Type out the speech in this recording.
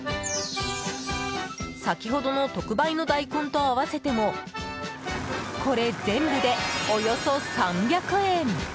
先ほどの特売の大根と合わせてもこれ全部でおよそ３００円。